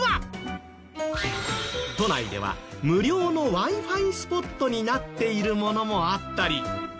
都内では無料のＷｉ−Ｆｉスポットになっているものもあったり。